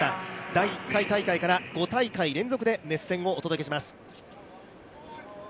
第１回大会から５大会連続で熱戦をお届けします。